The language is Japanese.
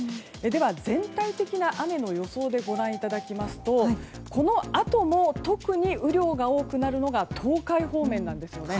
では、全体的な雨の予想でご覧いただきますとこのあとも特に雨量が多くなるのが東海方面なんですね。